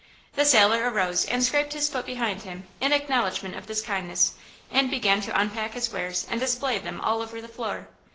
The sailor arose and scraped his foot behind him in acknowledgment of this kindness and began to unpack his wares and display them all over the floor.